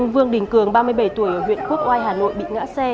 vương đình cường ba mươi bảy tuổi ở huyện quốc oai hà nội bị ngã xe